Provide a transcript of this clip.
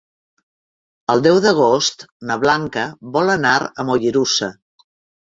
El deu d'agost na Blanca vol anar a Mollerussa.